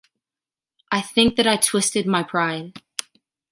I think that I twisted my pride.